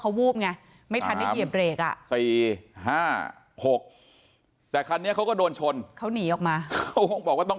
เข้าวูบไงไม่ทันในเงียบเบรกอ่ะ๔๕๖แต่ครั้งนี้เขาก็โดนชนเขานี่ออกมาต้องเป็น